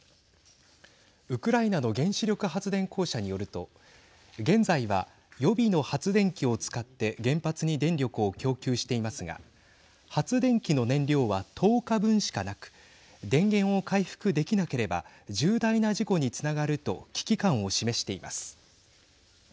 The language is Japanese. ウクライナの原子力発電公社によると現在は予備の発電機を使って原発に電力を供給していますが発電機の燃料は１０日分しかなく電源を回復できなければ重大な事故につながると危機感を示しています。